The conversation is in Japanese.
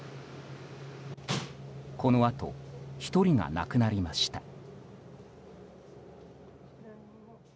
このあと１人が亡くなりました。